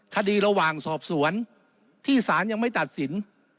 คดีระหว่างสอบสวนที่สารยังไม่ตัดสิน